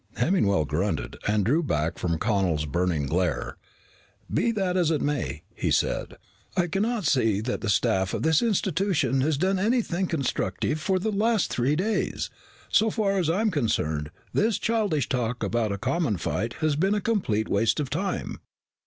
Hemmingwell grunted and drew back from Connel's burning glare. "Be that as it may," he said. "I cannot see that the staff of this institution has done anything constructive for the last three days. So far as I'm concerned, this childish talk about a common fight has been a complete waste of time."